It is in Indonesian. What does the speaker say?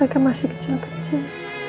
mereka masih kecil kecil